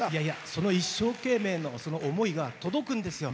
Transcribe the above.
その一生懸命のその思いが届くんですよ。